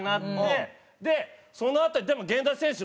そのあとにでも源田選手